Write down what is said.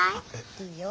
いいよ。